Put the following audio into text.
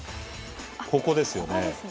ここですよね。